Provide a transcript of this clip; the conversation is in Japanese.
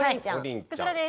こちらです